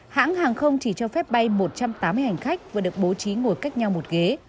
hãng hàng không chỉ cho phép bay một trăm tám mươi hành khách và được bố trí ngồi cách nhau một ghế